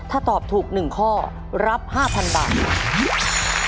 ถ้าตอบถูก๑ข้อรับ๕๐๐๐บาท